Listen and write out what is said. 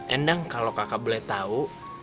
endang kalau kakak boleh tahu